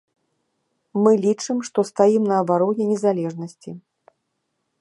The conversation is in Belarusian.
Мы лічым, што стаім на абароне незалежнасці.